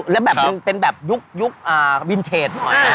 แล้วเป็นแบบยุควินเทจ